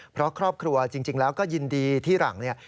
เพราะครอบครัวจริงแล้วก็ยินดีที่หลังเนี่ย